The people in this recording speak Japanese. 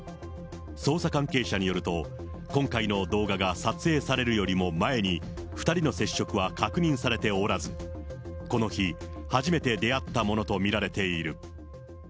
捜査関係者によると、今回の動画が撮影されるよりも前に２人の接触は確認されておらず、この日、初めて出会ったものと見られている。